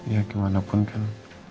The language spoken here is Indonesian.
ya kemana pun kan